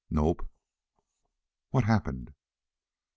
"Nope." "What happened?"